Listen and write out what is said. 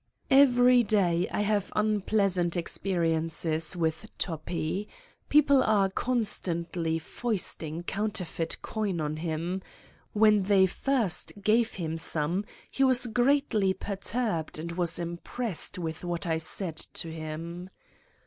Every day I have unpleasant experiences with Toppi: people are constantly foisting counterfeit coin on him. When they first gave him some, he was greatly perturbed and was impressed with what I said to him.